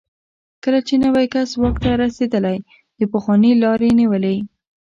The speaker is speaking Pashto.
کله چې نوی کس واک ته رسېدلی، د پخواني لار یې نیولې.